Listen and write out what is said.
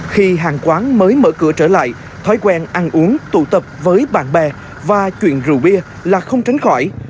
khi hàng quán mới mở cửa trở lại thói quen ăn uống tụ tập với bạn bè và chuyện rượu bia là không tránh khỏi